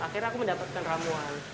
akhirnya aku mendapatkan ramuan